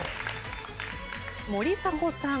森迫さん。